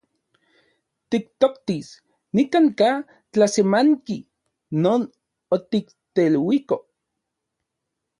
Tiktoktis nikan’ka tlasemanki non otikteluiko.